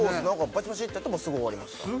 バチバチってやってすぐ終わりました